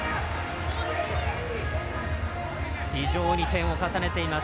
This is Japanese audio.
非常に点を重ねています。